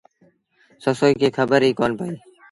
سسئيٚ کي کبر ئيٚ ڪونا پئيٚ۔